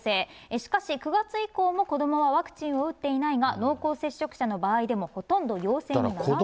しかし９月以降も子どもはワクチンを打っていないが、濃厚接触者の場合でもほとんど陽性にならないと。